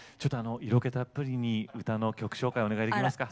色気たっぷりに歌の曲紹介お願いできますか？